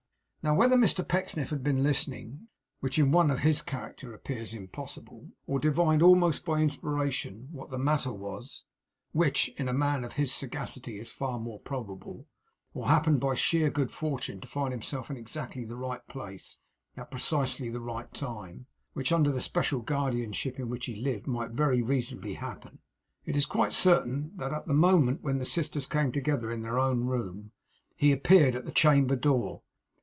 Now whether Mr Pecksniff had been listening which in one of his character appears impossible; or divined almost by inspiration what the matter was which, in a man of his sagacity is far more probable; or happened by sheer good fortune to find himself in exactly the right place, at precisely the right time which, under the special guardianship in which he lived might very reasonably happen; it is quite certain that at the moment when the sisters came together in their own room, he appeared at the chamber door.